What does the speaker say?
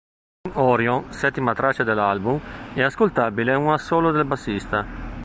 In "Orion", settima traccia dell'album, è ascoltabile un assolo del bassista.